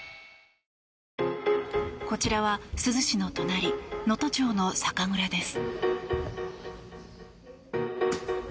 こちらは珠洲市の隣能登町の酒蔵です。